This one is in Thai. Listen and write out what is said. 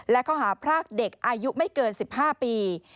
และข้อหาพรากเด็กอายุไม่เกิน๑๕ปี